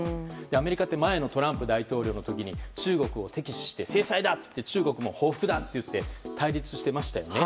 アメリカって前のトランプ大統領の時に中国を敵視して制裁だと言って中国も報復だと言って対立していましたよね。